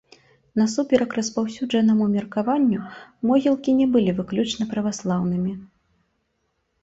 Насуперак распаўсюджанаму меркаванню, могілкі не былі выключна праваслаўнымі.